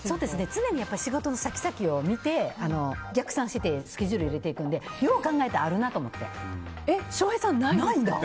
常に仕事の先を見て逆算してスケジュールを入れていくのでよう考えたら翔平さん、ないんですか？